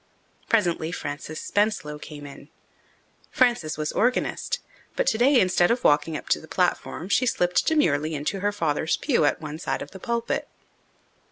Presently Frances Spenslow came in. Frances was organist, but today, instead of walking up to the platform, she slipped demurely into her father's pew at one side of the pulpit.